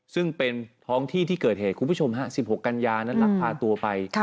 ซึ่งเป็นท้องที่ที่เกิดเหตุคุณผู้ชมฮะ๑๖กันยานั้นลักพาตัวไป